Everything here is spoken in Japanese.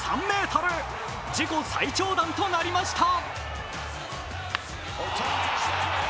自己最長弾となりました。